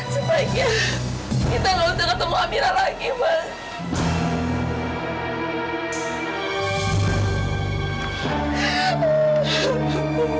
sebaiknya kita gak usah ketemu amira lagi mas